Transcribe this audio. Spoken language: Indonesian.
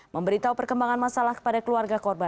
memberitahu perkembangan masalah kepada keluarga korban